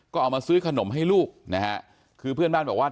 ก็เอามาซื้อขนมให้ลูกนะฮะคือเพื่อนบ้านบอกว่า